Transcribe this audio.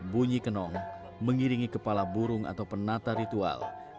bunyi kenong mengiringi kepala burung atau penata ritual